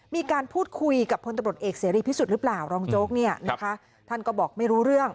มีการพูดคุยกับพลตำรวจเอกเสรีพิสุทธิ์หรือเปล่ารองโจ๊กเนี่ยนะคะท่านก็บอกไม่รู้เรื่อง